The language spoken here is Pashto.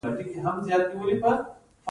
ایا زه باید پیدا شم؟